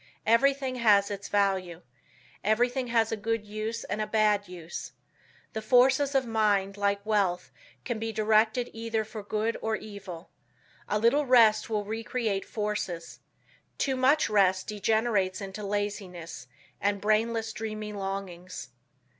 Everything has its value. Everything has a good use and a bad use. The forces of mind like wealth can be directed either for good or evil. A little rest will re create forces. Too much rest degenerates into laziness, and brainless, dreamy longings.